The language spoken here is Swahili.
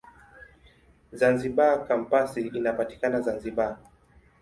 Zanzibar Kampasi inapatikana Zanzibar.